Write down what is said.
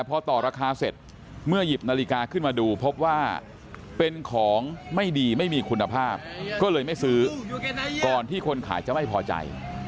เป็นของไม่ดีไม่มีคุณภาพก็เลยไม่ซื้อก่อนที่คนขายจะไม่พอใจ